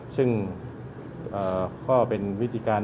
สวัสดีครับ